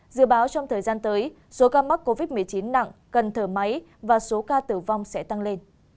dự báo trong thời gian tới số ca mắc covid một mươi chín nặng cần thở máy và số ca tử vong sẽ tăng lên